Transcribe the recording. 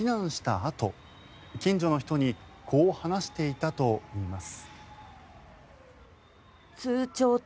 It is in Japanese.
あと近所の人にこう話していたといいます。